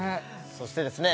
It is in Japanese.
そしてですね